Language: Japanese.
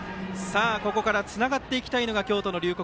ここからつながっていきたいのが京都の龍谷